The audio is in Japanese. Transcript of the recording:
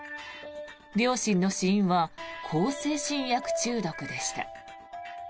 両親の死因は向精神薬中毒でした。